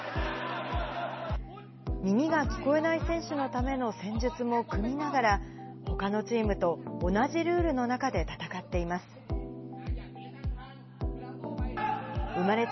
耳が聞こえない選手のための戦術も組みながら、ほかのチームと同じルールの中で戦っています。